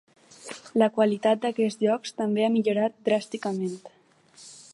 La qualitat d’aquests llocs també ha millorat dràsticament.